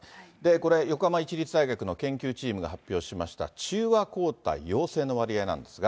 これ、横浜市立大学の研究チームが発表しました、中和抗体陽性の割合なんですが。